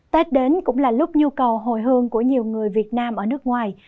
tết đến cũng là lúc nhu cầu hồi hương của nhiều người việt nam ở nước ngoài